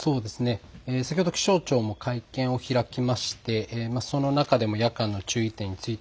先ほど気象庁も会見を開きましてその中でも夜間の注意点について